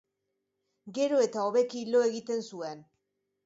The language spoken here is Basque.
Gero eta hobeki lo egiten zuen.